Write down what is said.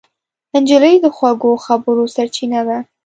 نجلۍ د خوږو خبرو سرچینه ده.